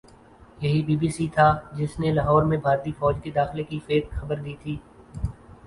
یہی B B C تھا جس نے لاہور میں بھارتی فوج کے داخلے کی فیک خبر دی تھی